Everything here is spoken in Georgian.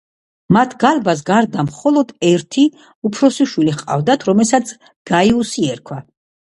მათ გალბას გარდა მხოლოდ ერთი, უფროსი შვილი ჰყავდათ, რომელსაც გაიუსი ერქვა.